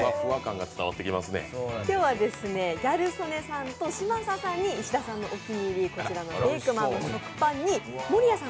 今日はギャル曽根さんと嶋佐さんに石田さんのお気に入り、こちらのベイクマンの食パンに守屋さん